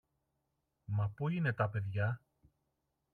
Μα πού είναι τα παιδιά;